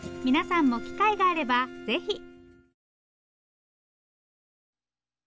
皆さんも機会があればぜひ！